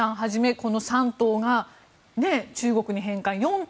この３頭が中国に返還４頭